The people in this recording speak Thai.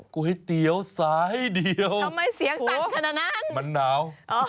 ก้วยเตี๊ยวสายเดียวหื้อมันทำไมเสียงตั่นประมาณนั้น